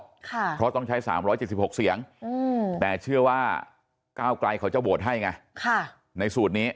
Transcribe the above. เพราะต้องใช้๓๗๖เสียงแต่เชื่อว่าก้าวไกลเขาจะโหวตให้ไงในสูตรนี้